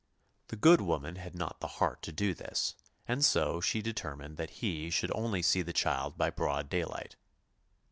The good woman had not the heart to do this, and so she determined that he should only see the child by broad day light.